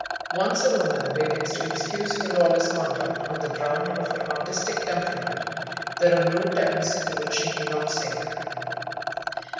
Once a woman begins to excuse her lawless conduct on the ground of her "artistic temperament," there are no depths to which she may not sink.